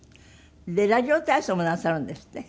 ラジオ体操もなさるんですって？